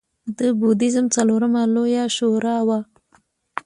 د بودیزم څلورمه لویه شورا وه